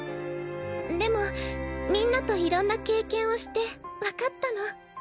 でもみんなといろんな経験をして分かったの。